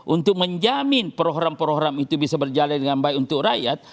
untuk menjamin program program itu bisa berjalan dengan baik untuk rakyat